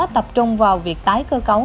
tập trung vào việc tái cơ cấu